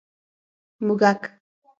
🐁 موږک